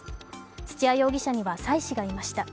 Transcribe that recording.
土屋容疑者には妻子がいました。